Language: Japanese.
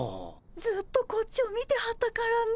ずっとこっちを見てはったからね。